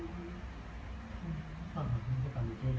อันนี้ก็ไม่มีเจ้าพ่อหรอก